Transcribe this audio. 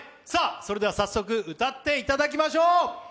さあ、早速歌っていただきましょう。